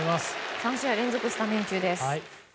３試合連続スタメン中です。